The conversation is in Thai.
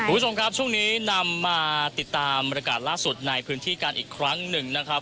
คุณผู้ชมครับช่วงนี้นำมาติดตามบรรยากาศล่าสุดในพื้นที่กันอีกครั้งหนึ่งนะครับ